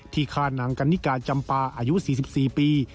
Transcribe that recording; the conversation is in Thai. ฆ่านางกันนิกาจำปาอายุ๔๔ปี